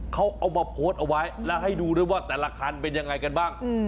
เขาเอามาโพสต์เอาไว้แล้วให้ดูด้วยว่าแต่ละคันเป็นยังไงกันบ้าง